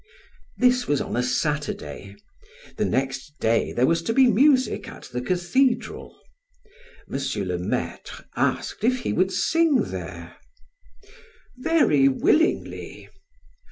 This was on a Saturday; the next day there was to be music at the cathedral: M. le Maitre asked if he would sing there "Very willingly."